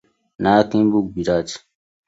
Na Akin book bi dat.